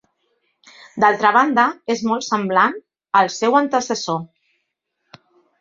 D'altra banda és molt semblant al seu antecessor.